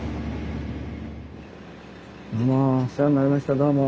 お世話になりましたどうも。